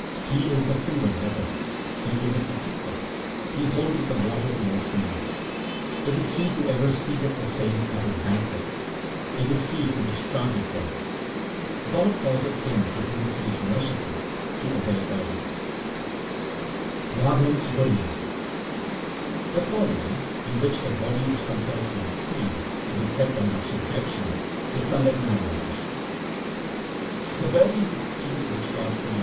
He is the finger water ; He giveth the toothpick ; He holdeth the water to wash the mouth. It is He who ever seateth the saints at His banquet ; it is He who dischargeth them. God causeth him to whom He is merciful to obey His order. Wadhans Ghorian The following, in which the body is compared to a steed to be kept under subjection, is sung at marriages :— The body is a steed which God created. 1 That is, the privilege of meditating on God is obtained by destiny.